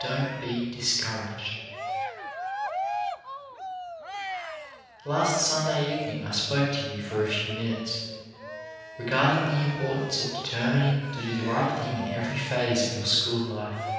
DON'T BE DISCOURAGED Last Sunday evening I spoke to you for a few minutes regarding the importance of determining to do the right thing in every phase of your school life.